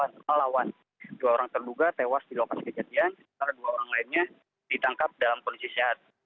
melawan dua orang terduga tewas di lokasi kejadian sementara dua orang lainnya ditangkap dalam kondisi sehat